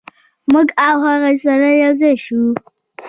موږ او هغوی سره یو ځای شوو.